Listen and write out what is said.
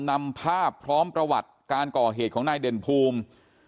นำภาพพร้อมประวัติการก่อเหตุของนายเด่นภูมิ